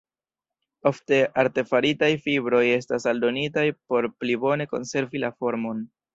Ofte artefaritaj fibroj estas aldonitaj por pli bone konservi la formon.